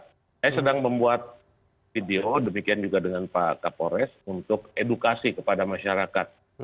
saya sedang membuat video demikian juga dengan pak kapolres untuk edukasi kepada masyarakat